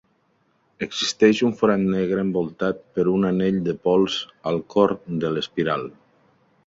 Existeix un forat negre envoltat per un anell de pols al cor de l'espiral.